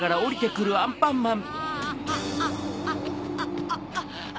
ああっあっあっ。